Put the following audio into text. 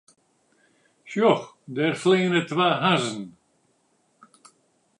Sjoch, dêr fleane twa hazzen.